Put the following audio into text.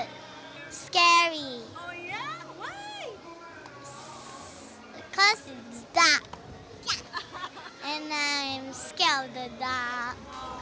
dan aku takut gelap